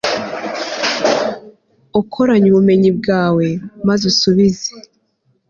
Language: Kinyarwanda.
ukoranye ubumenyi bwawe, maze usubize